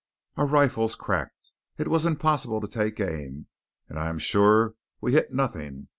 Our rifles cracked. It was impossible to take aim; and I am sure we hit nothing.